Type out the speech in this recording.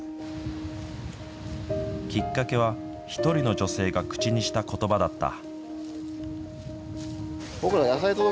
きっかけは、１人の女性が口にしたことばだった。